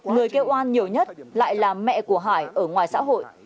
người kêu oan nhiều nhất lại là mẹ của hải ở ngoài xã hội